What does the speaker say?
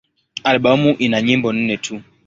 Albamu ina nyimbo nne tu.